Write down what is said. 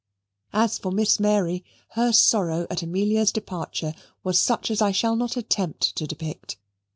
As for Miss Mary, her sorrow at Amelia's departure was such as I shall not attempt to depict.